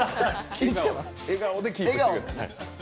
気ぃつけます。